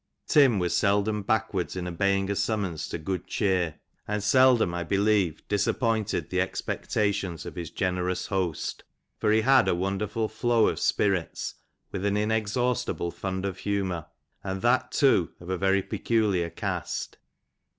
Tim was seldom backward in obeying a summons to good cheer, and seldom, I believe, disappointed the expec AND THE VILLAGE OF MILNBOW. 5"> tatious of his generous host; for he had a wonderful flow of spirits, with an inex haustible fund of humour, and that, too, of a very peculiar character.